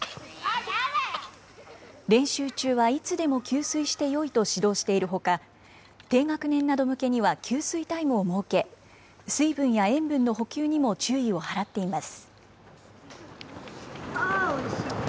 練習中はいつでも給水してよいと指導しているほか、低学年など向けには給水タイムを設け、水分や塩分の補給にも注意を払っています。